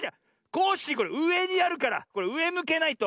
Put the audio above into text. コッシーこれうえにあるからこれうえむけないと。